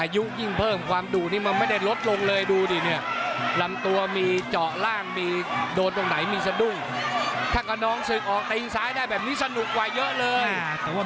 ยิ่งกลัวก็ยิ่งเจ็บด้วยนะ